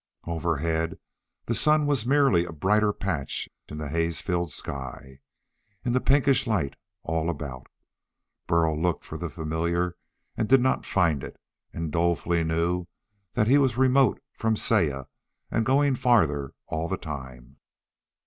Overhead, the sun was merely a brighter patch in the haze filled sky. In the pinkish light all about, Burl looked for the familiar and did not find it, and dolefully knew that he was remote from Saya and going farther all the time.